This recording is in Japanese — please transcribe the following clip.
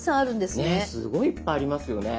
ねえすごいいっぱいありますよね。